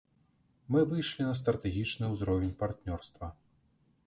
Мы выйшлі на стратэгічны ўзровень партнёрства.